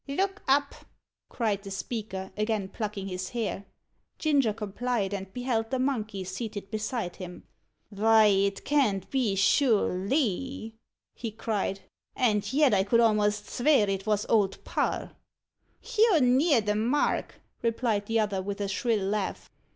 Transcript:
"Look up!" cried the speaker, again plucking his hair. Ginger complied, and beheld the monkey seated beside him. "Vy, it can't be, sure_ly_," he cried. "And yet I could almost svear it was Old Parr." "You're near the mark," replied the other, with a shrill laugh.